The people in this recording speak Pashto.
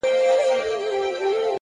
پرمختګ د کوچنیو ګامونو ټولګه ده؛